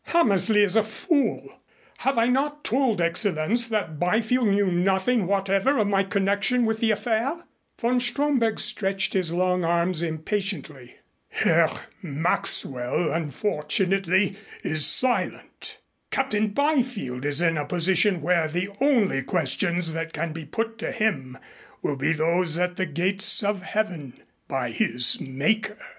"Hammersley is a fool. Have I not told Excellenz that Byfield knew nothing whatever of my connection with the affair?" Von Stromberg stretched his long arms impatiently. "Herr Maxwell, unfortunately, is silent. Captain Byfield is in a position where the only questions that can be put to him will be those at the Gates of Heaven by his Maker."